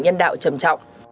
nhân đạo trầm trọng